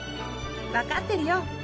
わかってるよ。